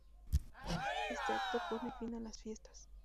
Este acto pone fin a las fiestas.